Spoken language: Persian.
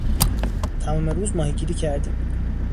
تمام روز ماهیگیری کردیم.